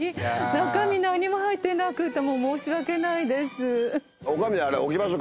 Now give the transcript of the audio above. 中身何も入ってなくてもう申し訳ないです。